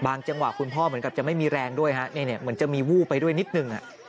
จังหวะคุณพ่อเหมือนกับจะไม่มีแรงด้วยฮะเหมือนจะมีวู้ไปด้วยนิดนึง